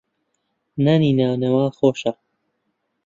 نانی نانەوا خۆشە.